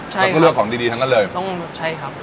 แล้วก็เลือกของดีดีทั้งนั้นเลยต้องใช่ครับ